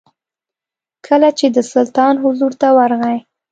کله چې د سلطان حضور ته ورغی.